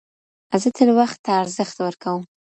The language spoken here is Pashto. زه تل وخت ته ارزښت ورکوم